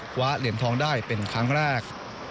คว้าเหรียญทองได้เป็นครั้งแรก